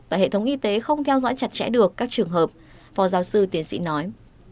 và hệ thống y tế không theo dõi chặt chẽ được các trường hợp phó giáo sư tiến sĩ nói